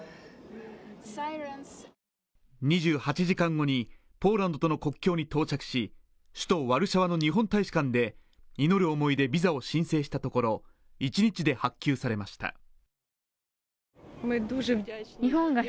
２８時間後にポーランドとの国境に到着し首都ワルシャワの日本大使館で祈る思いでビザを申請したところ１日で発給されました。